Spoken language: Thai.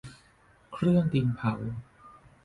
เครื่องดินเผา